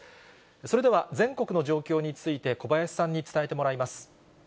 それでは全国の状況について、小林さんに伝えてもらいます。